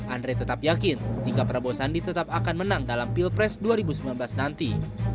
andre tetap yakin jika prabowo sandi tetap akan menang dalam pilpres dua ribu sembilan belas nanti